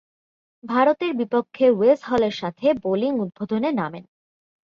ভারতের বিপক্ষে ওয়েস হলের সাথে বোলিং উদ্বোধনে নামেন।